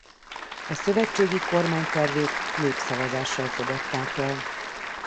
A szövetségi kormány tervét népszavazással fogadták el.